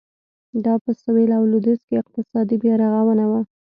دا په سوېل او لوېدیځ کې اقتصادي بیارغونه وه.